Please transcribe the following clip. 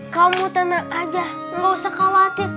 kamu tenang aja gak usah khawatir